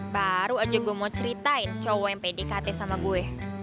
baru aja gue mau ceritain cowok mpdkt sama gue